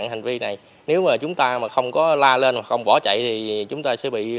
hành vi gian cảnh cướp giật tài sản không mới tuy nhiên điều đáng báo động ở đây đối tượng này có độ tuổi còn rất trẻ